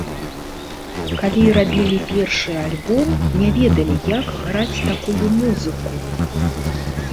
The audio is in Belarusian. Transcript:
Калі рабілі першы альбом, не ведалі як граць такую музыку.